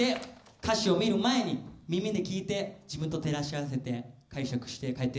歌詞を見る前に耳で聴いて自分と照らし合わせて解釈して帰ってって下さい。